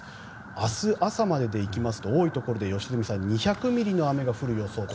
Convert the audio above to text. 明日朝まででいきますと多いところで、良純さん２００ミリの雨が降る予想と。